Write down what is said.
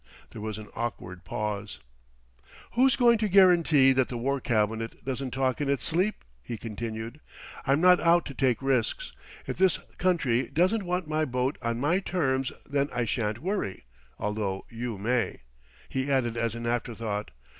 There was an awkward pause. "Who's going to guarantee that the War Cabinet doesn't talk in its sleep?" he continued. "I'm not out to take risks. If this country doesn't want my boat on my terms, then I shan't worry, although you may," he added as an afterthought.